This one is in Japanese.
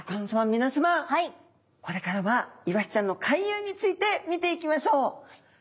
みなさまこれからはイワシちゃんの回遊について見ていきましょう。